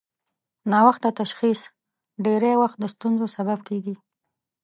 ناوخته تشخیص ډېری وخت د ستونزو سبب کېږي.